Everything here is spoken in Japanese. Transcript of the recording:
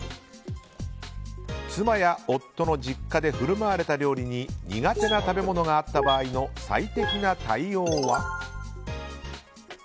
妻や夫の実家で振る舞われた料理に苦手な食べ物があった場合の最適な対応は？